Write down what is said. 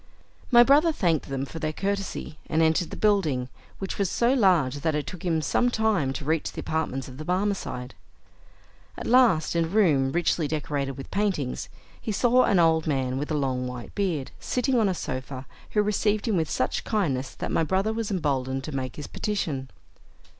My brother thanked them for their courtesy and entered the building, which was so large that it took him some time to reach the apartments of the Barmecide. At last, in a room richly decorated with paintings, he saw an old man with a long white beard, sitting on a sofa, who received him with such kindness that my brother was emboldened to make his petition.